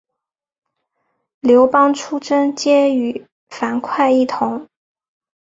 刘邦出征皆与樊哙一同。